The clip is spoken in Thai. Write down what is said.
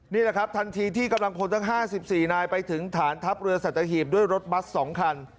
นี่แหละครับทันทีที่กำลังพลทั้ง๕๔นายไปถึงฐานทัพเรือสัตหีบด้วยรถบัส๒คัน